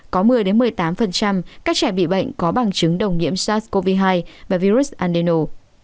có một mươi một mươi tám các trẻ bị bệnh có bằng chứng đồng nhiễm sars cov hai và virus andeno